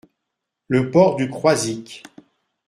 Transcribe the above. Le port du Croisic.